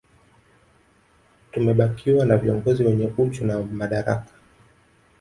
Tumebakiwa na viongozi wenye uchu na madaraka